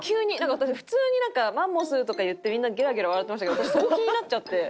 普通になんか「マンモス」とか言ってみんなゲラゲラ笑ってましたけど私そこ気になっちゃって。